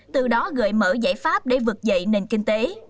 từ đó gợi mở giải pháp để vực dậy nền kinh tế